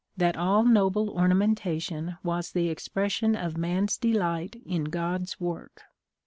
that all noble ornamentation was the expression of man's delight in God's work.